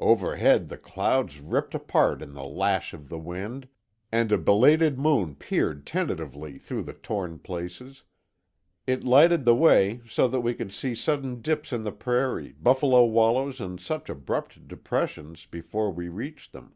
Overhead the clouds ripped apart in the lash of the wind, and a belated moon peered tentatively through the torn places. It lighted the way, so that we could see sudden dips in the prairie, buffalo wallows and such abrupt depressions, before we reached them.